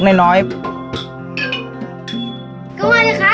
ก็มาเนี่ยครับ